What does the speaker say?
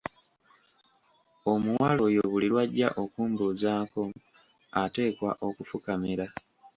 Omuwala oyo buli lwajja okumbuuzaako ateekwa okufukamira.